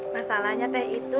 masalahnya teh itu